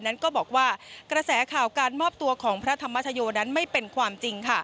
นั้นก็บอกว่ากระแสข่าวการมอบตัวของพระธรรมชโยนั้นไม่เป็นความจริง